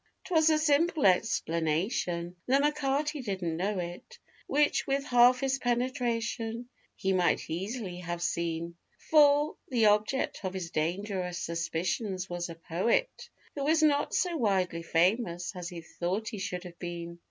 'Twas a simple explanation, though M'Carty didn't know it, Which with half his penetration he might easily have seen, For the object of his dangerous suspicions was a poet, _Who was not so widely famous as he thought he should have been.